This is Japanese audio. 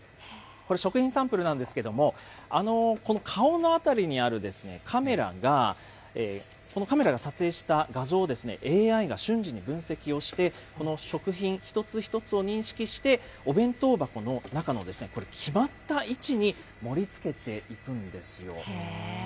これ、食品サンプルなんですけれども、顔の辺りにあるカメラが、このカメラが撮影した画像をＡＩが瞬時に分析をして、この食品一つ一つを認識して、お弁当箱の中の、これ、決まった位置に盛りつけていくんですよ。